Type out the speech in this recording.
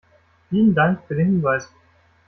Vielen Dank für den Hinweis.